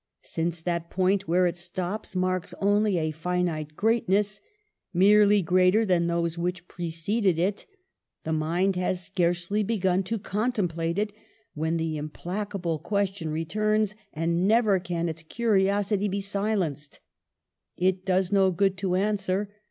Since that point where it stops marks only a finite greatness, merely greater than those which preceded it, the mind has scarcely begun to contemplate it when the implacable question returns, and never can its curiosity be silenced. It does no good to answer.